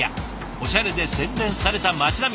おしゃれで洗練された町並み。